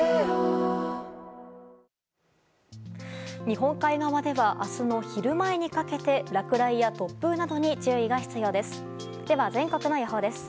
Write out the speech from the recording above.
日本海側では明日の昼前にかけて落雷や突風などに注意が必要です。